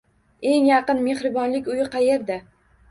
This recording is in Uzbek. Eng yaqin mehribonlik uyi qayerda?